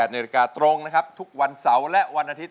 ๑๘นตรงทุกวันเสาร์และวันอาทิตย์